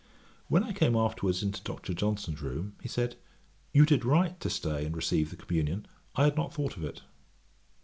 When I came afterwards into Dr. Johnson's room, he said, 'You did right to stay and receive the communion; I had not thought of it.'